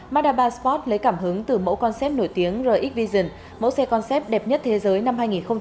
mazda ba sport lấy cảm hứng từ mẫu concept nổi tiếng rx vision mẫu xe concept đẹp nhất thế giới năm hai nghìn một mươi sáu